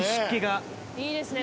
いいですね。